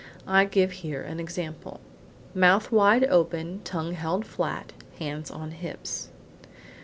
I give here an example: Mouth wide open, tongue held flat, hands on hips.